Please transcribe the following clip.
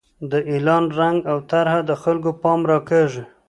د اعلان رنګ او طرحه د خلکو پام راکاږي.